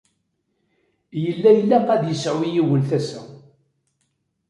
Yella ilaq ad yesεu yiwen tasa.